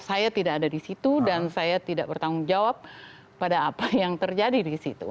saya tidak ada di situ dan saya tidak bertanggung jawab pada apa yang terjadi di situ